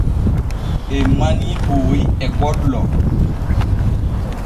En manii Ɓooyi e gollo.